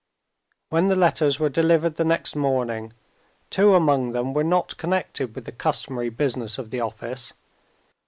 When the letters were delivered the next morning, two among them were not connected with the customary business of the office.